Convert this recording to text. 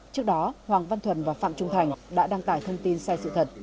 trước đó hoàng văn thuần và phạm trung thành đã đăng tải thông tin sai sự thật